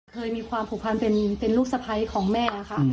เคยมีความผูกพันเป็นลูกสะพ้ายของแม่ค่ะ